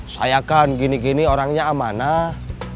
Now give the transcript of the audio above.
saya kan gini gini orangnya amanah